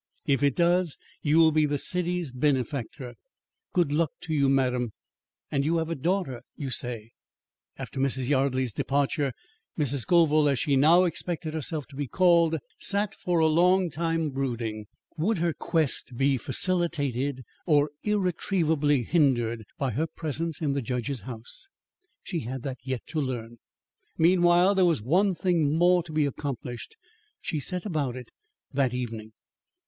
If it does, you will be the city's benefactor. Good luck to you, madam. And you have a daughter, you say?" After Mrs. Yardley's departure, Mrs. Scoville, as she now expected herself to be called, sat for a long time brooding. Would her quest be facilitated or irretrievably hindered by her presence in the judge's house? She had that yet to learn. Meanwhile, there was one thing more to be accomplished. She set about it that evening.